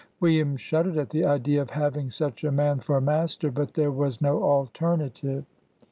William shuddered at the idea of having; such a man for a mas ter, but there was no alternative.